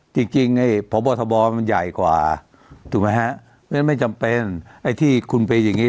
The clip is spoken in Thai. จริงพบทบมันใหญ่กว่าไม่จำเป็นไอ้ที่คุณไปอย่างนี้